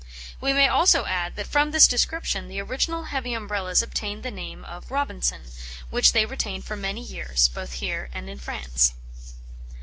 We may also add, that from this description the original heavy Umbrellas obtained the name of "Robinson," which they retained for many years, both here and in France.